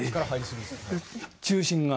中心が。